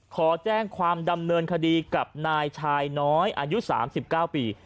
ขอแจ้งความดำเนินคดีกับนายชายน้อยอายุ๓๙ปี